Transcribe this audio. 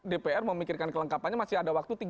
dpr memikirkan kelengkapannya masih ada waktu